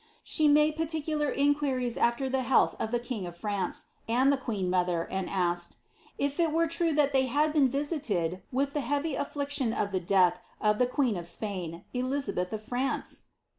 She made panicniar inquiries after the health of the Icing of France, and the queen mother, and asked, ^ If it were true that they had been visited with the heavy affliction of the death of the queen of Spain, Elizabeth of France